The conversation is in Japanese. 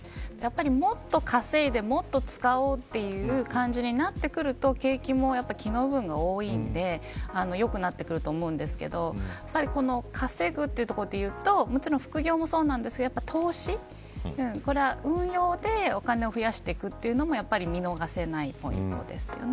もっと稼いでもっと使おうという感じになってくると景気も気の部分が多いので良くなってくると思いますが稼ぐというところでいうと副業もそうですが投資これは運用でお金を増やしていくというのも見逃せないポイントですね。